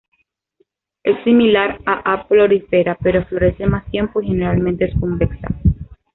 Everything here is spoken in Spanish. Es similar a "A. prolifera" pero florece más tiempo y generalmente es convexa.